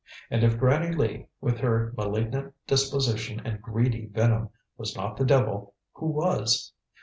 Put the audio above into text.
And if Granny Lee, with her malignant disposition and greedy venom, was not the devil, who was?